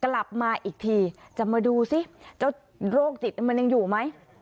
กลับมาอีกทีจะมาดูสิเจ้าโรคจิตมันยังอยู่ไหม